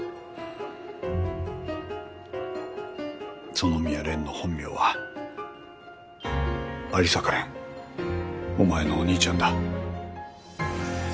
園宮蓮の本名は有坂蓮お前のお兄ちゃんだ。